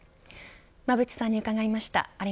馬渕さんに伺いました。